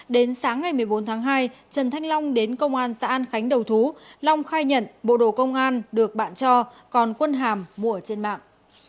đến sáng ngày một mươi bốn tháng hai trần thanh long đến công an xã an khánh đầu thú long khai nhận bộ đồ công an được bạn cho còn quân hàm mua trên mạng